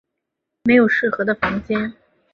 没有适合的房间